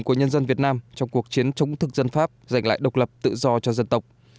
của nhân dân việt nam trong cuộc chiến chống thực dân pháp giành lại độc lập tự do cho dân tộc